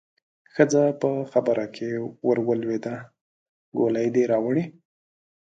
ښځه په خبره کې ورولوېده: ګولۍ دې راوړې؟